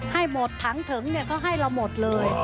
ให้หมดถังถึงเขาให้เราหมดเลย